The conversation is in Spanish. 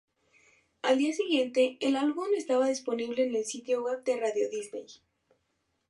Al día siguiente, el álbum estaba disponible en el sitio web de Radio Disney.